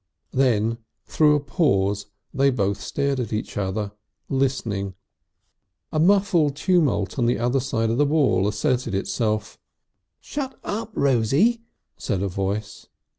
Then through a pause they both stared at each other, listening. A muffled tumult on the other side of the wall asserted itself. "Shut up, Rosie!" said a voice.